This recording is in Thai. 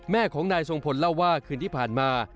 แม่ของนายทรงพลเล่าว่าคืนที่ผ่านมา